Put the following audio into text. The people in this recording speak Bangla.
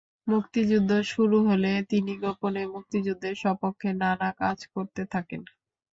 মুক্তিযুদ্ধ শুরু হলে তিনি গোপনে মুক্তিযুদ্ধের সপক্ষে নানা কাজ করতে থাকেন।